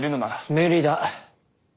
無理だ。